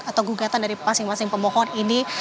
atau gugatan dari masing masing pemohon ini